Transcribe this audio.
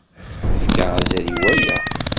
Yefka azal i waya.